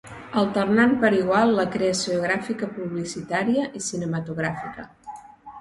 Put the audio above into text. Alternant per igual la creació gràfica publicitària i cinematogràfica.